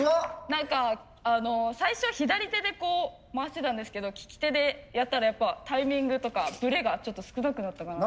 何かあの最初左手でこう回してたんですけど利き手でやったらやっぱタイミングとかブレがちょっと少なくなったかな。